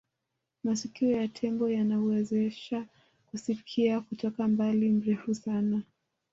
masikio ya tembo yanamuwezesha kusikia kutoka umbali mrefu sana